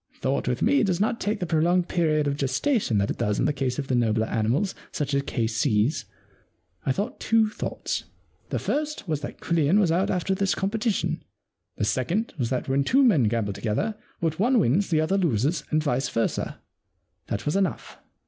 Thought with me does not take the prolonged period of gestation that it does in the case of the nobler animals, such as K.C.'s. I thought two thoughts. The first was that Quillian was out after this competition. The second was that when two men gamble together what one wins the other loses and vice versa. That was enough.